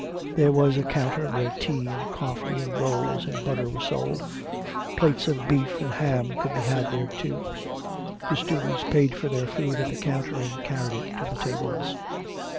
There was a counter where tea and coffee and rolls and butter were sold. Plates of beef and ham could be had there, too. The students paid for their food at the counter, and carried it to the tables.